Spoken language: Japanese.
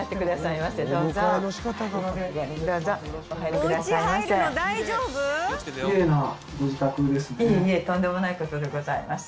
いえいえとんでもない事でございます。